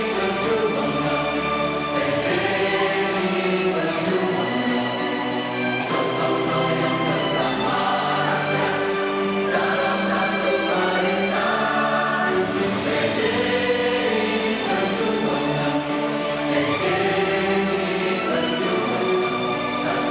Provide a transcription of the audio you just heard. pdi perjuangan jaya